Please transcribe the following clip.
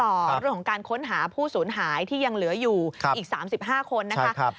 เรื่องของการค้นหาผู้สูญหายที่ยังเหลืออยู่อีก๓๕คนนะคะ